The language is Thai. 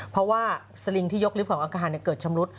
เพราะว่าสลิงที่ยกริ่มของอักฮาระเบื่อเกิดชำรุด